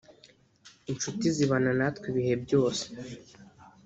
inshuti zibana natwe ibihe byose